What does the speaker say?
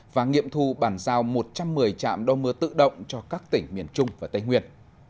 và nghiệm thu bàn giao một trăm một mươi trạm đo mưa tự động cho các tỉnh miền trung và tây nguyên